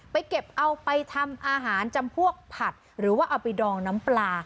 เก็บเอาไปทำอาหารจำพวกผัดหรือว่าเอาไปดองน้ำปลา